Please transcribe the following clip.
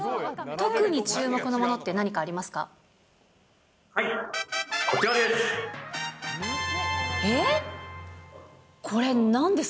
特に注目のものって何かありはい、こちらです！